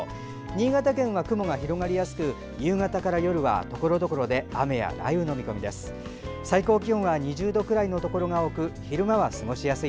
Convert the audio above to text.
新潟は雲が広がりやすく夕方から夜はところどころで雨や雷雨の見込みです。